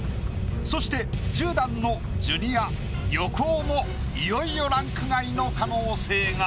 そして１０段のジュニア横尾もいよいよランク外の可能性が。